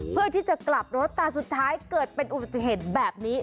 เพื่อที่จะกลับรถแต่สุดท้ายเกิดเป็นอุบัติเหตุแบบนี้